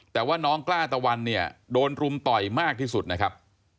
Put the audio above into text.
แต่ว่าน้องกล้าตะวันเนี่ยโดนรุมต่อยมากที่สุดนะครับ